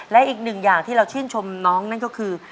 และอีกหนึ่งอย่างที่เราชื่นชมน้องนั่นก็คือ